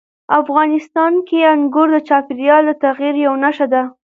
افغانستان کې انګور د چاپېریال د تغیر یوه نښه ده.